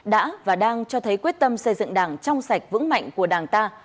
đã và đang cho thấy quyết tâm xây dựng đảng trong sạch vững mạnh của đảng ta